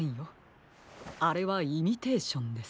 あれはイミテーションです。